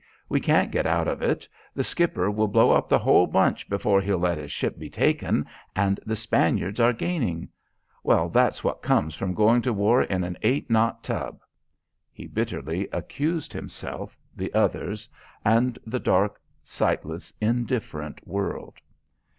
We can't get out of it. The skipper will blow up the whole bunch before he'll let his ship be taken, and the Spaniards are gaining. Well, that's what comes from going to war in an eight knot tub." He bitterly accused himself, the others, and the dark, sightless, indifferent world.